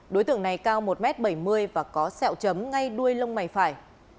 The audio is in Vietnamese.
đối tượng này cao một m bảy mươi và có sẹo chấm ngay đuôi lông mày phải